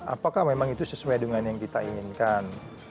apakah memang itu sesuai dengan yang kita inginkan